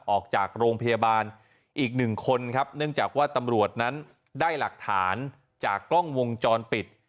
ออกจากโรงพยาบาลอีกหนึ่งคนครับเนื่องจากว่าตำรวจนั้นได้หลักฐานจากกล้องวงจรปิด